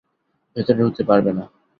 ভেতরে ঢুকতে পারবে না!